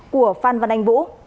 của phan văn anh vũ